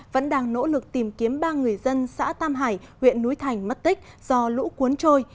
vẫn đang nỗ lực tìm kiếm ba người dân xã tam hải huyện núi thành mất tích do lũ cuốn trôi